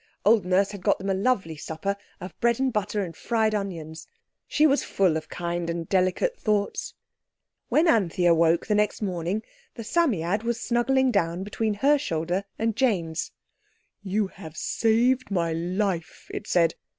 Old Nurse had got them a lovely supper of bread and butter and fried onions. She was full of kind and delicate thoughts. When Anthea woke the next morning, the Psammead was snuggling down between her shoulder and Jane's. "You have saved my life," it said.